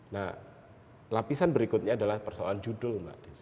nah lapisan berikutnya adalah persoalan judul